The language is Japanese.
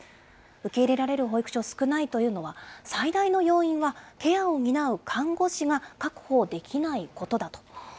受け入れられる保育所、少ないというのは最大の要因はケアを担う看護師が確保できないことだと。